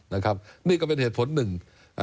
นี่ก็เป็นเหตุผลหนึ่ง